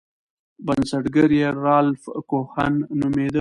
بنسټګر یې رالف کوهن نومیده.